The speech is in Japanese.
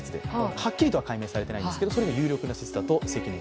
はっきりとは解明されていないんですけど、それが有力の説だと。